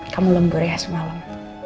kamu lembur ya semalam